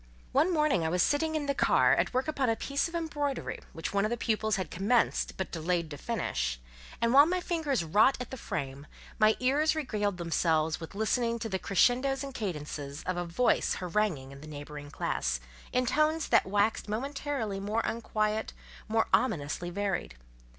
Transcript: One morning I was sitting in the carré, at work upon a piece of embroidery which one of the pupils had commenced but delayed to finish, and while my fingers wrought at the frame, my ears regaled themselves with listening to the crescendos and cadences of a voice haranguing in the neighbouring classe, in tones that waxed momentarily more unquiet, more ominously varied.